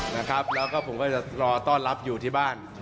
แล้วก็ผมก็จะรอต้อนรับอยู่ที่บ้าน